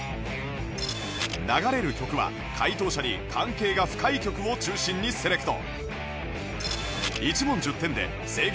流れる曲は解答者に関係が深い曲を中心にセレクト